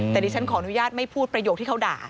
แต่ดิฉันขออนุญาตไม่พูดประโยคที่เขาด่า